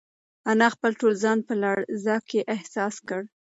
انا خپل ټول ځان په لړزه کې احساس کړ.